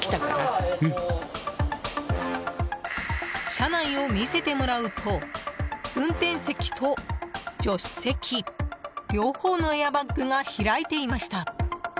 車内を見せてもらうと運転席と助手席両方のエアバッグが開いていました。